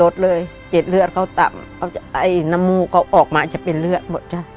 เจ็ดเลือดเขาต่ำไอ้น้ำมูกเขาออกมาจะเป็นเลือดหมดจ้ะ